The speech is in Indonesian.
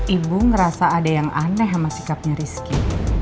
ibu ngerasa ada yang aneh sama sikapnya rizky